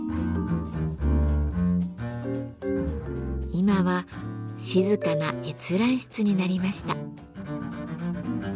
今は静かな閲覧室になりました。